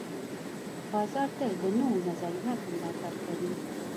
بازار تل د نوو نظریاتو ملاتړ کوي.